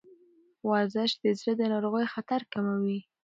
ورزش د زړه ناروغیو خطر کموي.